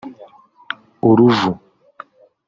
Uruvu